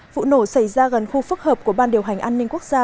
vụ nổ xảy ra gần khu phức hợp của ban điều hành an ninh quốc gia